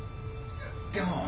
いやでも。